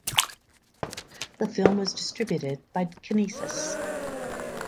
The film was distributed by Kinesis.